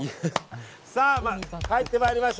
さあ、帰ってまいりました。